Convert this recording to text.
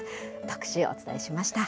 特集、お伝えしました。